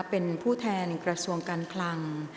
เป็นผู้แทนกระทรวงการคลัง